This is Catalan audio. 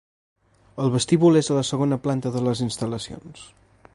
El vestíbul és a la segona planta de les instal·lacions.